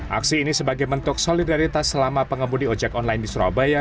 aksi ini sebagai bentuk solidaritas selama pengemudi ojek online di surabaya